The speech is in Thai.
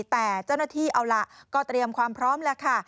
แต่เจ้าหน้าที่เอาล่ะก็เตรียมความพร้อมแล้วค่ะ